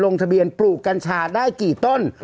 ลงทะเบียนปลูกกัญชาได้กี่ต้น